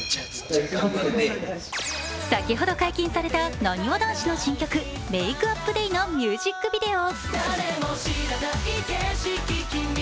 先ほど解禁されたなにわ男子の新曲「ＭａｋｅＵｐＤａｙ」のミュージックビデオ。